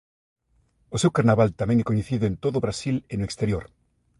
O seu Carnaval tamén é coñecido en todo o Brasil e no exterior.